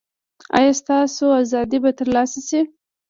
ایا ستاسو ازادي به ترلاسه شي؟